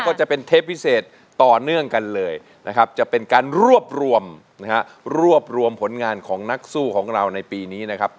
กันเลยนะครับจะเป็นการรวบรวมนะฮะรวบรวมผลงานของนักสู้ของเราในปีนี้นะครับ